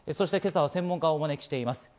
そして今朝は専門家をお招きしています。